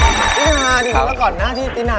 รอที่จะมาอัปเดตผลงานแล้วก็เข้าไปโด่งดังไกลถึงประเทศจีน